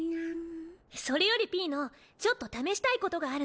それよりピーノちょっと試したいことがあるの。